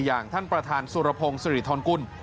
อย่างท่านประธานสุรพงศ์สิริธรกุล